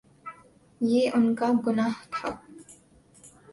یہ ان کا گناہ تھا۔